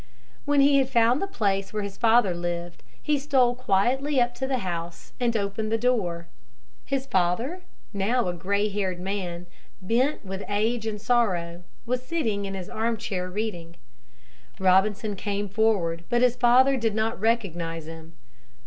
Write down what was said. When he had found the place where his father lived he stole quietly up to the house and opened the door. His father, now a gray haired man, bent with age and sorrow, was sitting in his arm chair reading. Robinson came forward, but his father did not recognize him.